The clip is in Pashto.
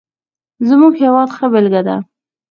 زموږ هېواد ښه بېلګه ده.